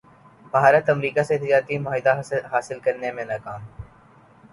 بھارت امریکا سے تجارتی معاہدہ حاصل کرنے میں ناکام